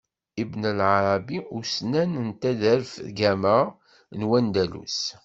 Ibn Ɛarabi; ussnan n taderfgama n wandalus.